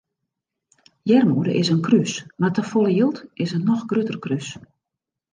Earmoede is in krús mar te folle jild is in noch grutter krús.